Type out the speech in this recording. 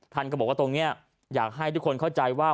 ท่านก็บอกว่าตรงนี้อยากให้ทุกคนเข้าใจว่า